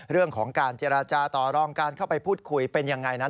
เรื่องของการเจรจาต่อรองการเข้าไปพูดคุยเป็นยังไงนั้น